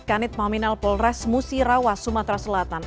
kanit maminel polres musirawas sumatera selatan